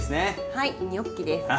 はいニョッキです。